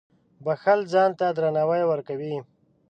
• بښل ځان ته درناوی ورکوي.